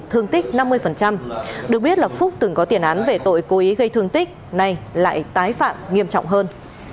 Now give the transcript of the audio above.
thương tích năm mươi được biết là phúc từng có tiền án về tội cố ý gây thương tích nay lại tái phạm nghiêm trọng hơn